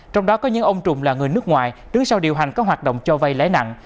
trong đó có những ông trùng là người nước ngoài đứng sau điều hành các hoạt động cho vay lãi nặng